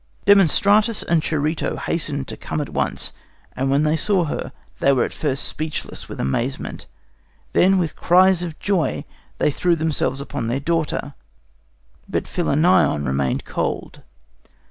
"Demostratus and Charito hastened to come at once, and when they saw her, they were at first speechless with amazement. Then, with cries of joy, they threw themselves upon their daughter. But Philinnion remained cold.